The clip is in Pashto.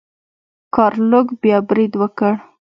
ګارلوک بیا برید وکړ.